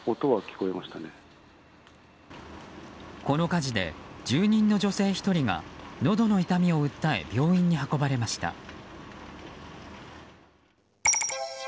この火事で住人の女性１人がのどの痛みを訴え病院に運ばれました。